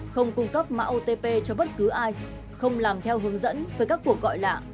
không cung cấp mã otp cho bất cứ ai không làm theo hướng dẫn với các cuộc gọi lạ